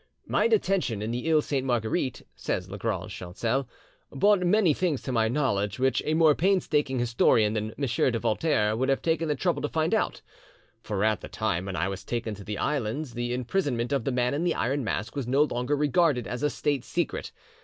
"My detention in the Iles Saint Marguerite," says Lagrange Chancel," brought many things to my knowledge which a more painstaking historian than M. de Voltaire would have taken the trouble to find out; for at the time when I was taken to the islands the imprisonment of the Man in the Iron Mask was no longer regarded as a state secret.